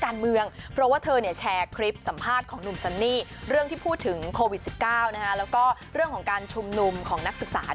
แต่ก็คิดว่าก็ลองเดทกันก่อน